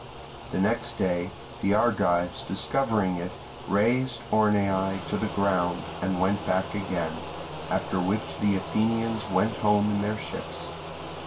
The next day the Argives, discovering it, razed Orneae to the ground, and went back again; after which the Athenians went home in their ships.